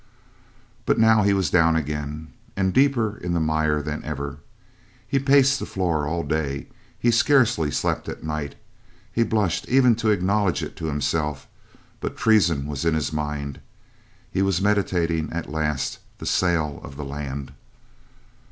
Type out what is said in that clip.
But now he was down again, and deeper in the mire than ever. He paced the floor all day, he scarcely slept at night. He blushed even to acknowledge it to himself, but treason was in his mind he was meditating, at last, the sale of the land.